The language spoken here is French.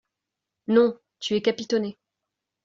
Non ! tu es capitonné !